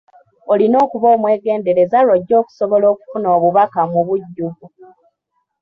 Olina okuba omwegendereza lw’ojja okusobola okufuna obubaka mu bujjuvu.